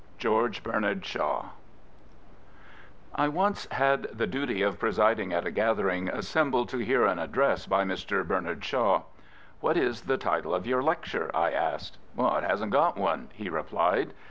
GEORGE BERNARD SHAW I ONCE had the duty of presiding at a gathering assembled to hear an address by Mr. Bernard Shaw. " What is the title of your lecture? " I asked. " It hasn't got one," he replied.